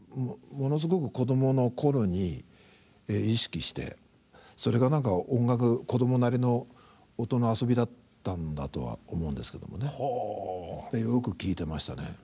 ものすごく子どもの頃に意識してそれが子どもなりの音の遊びだったんだとは思うんですけどもねよく聴いてましたね